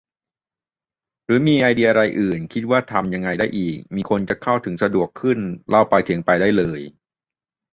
หรือมีไอเดียอะไรอื่น คิดว่ามันทำยังไงได้อีก ที่คนจะเข้าถึงสะดวกขึ้น เล่าไปเถียงไปได้เลย